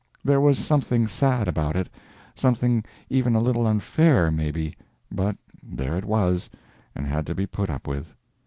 There was something sad about it, something even a little unfair, maybe, but there it was, and had to be put up with.